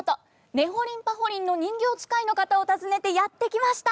「ねほりんぱほりん」の人形遣いの方を訪ねてやって来ました。